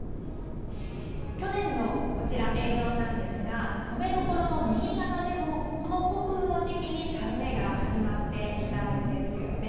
去年のこちら、映像なんですが、米どころの新潟でも、この穀雨の時期に田植えが始まっていたんですよね。